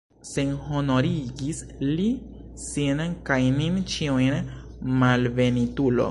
Senhonorigis li sin kaj nin ĉiujn, malbenitulo!